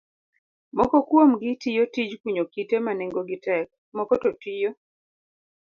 Moko kuomgi tiyo tij kunyo kite ma nengogi tek, moko to tiyo